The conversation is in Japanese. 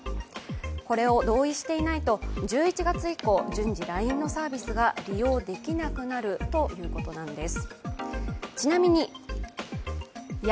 これを同意していないと１１月以降、順次、ＬＩＮＥのサービスが利用できなくなるということなんです。